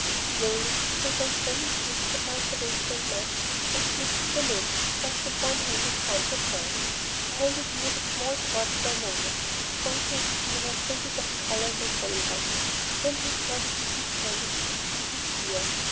Slowly, to avoid any creaks that might awake Amos, Chris lifted the lid, thrust in one hand and found the shell. He held it near the small port for a moment, its rosy interior faded of color in the gray light. Then he turned it in his hand and put it to his ear.